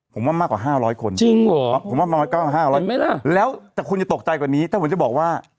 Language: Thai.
ผมว่ามากกว่า๕๐๐คนผมว่ามากกว่า๕๐๐คนแล้วแต่คุณจะตกใจกว่านี้แต่ผมจะบอกว่า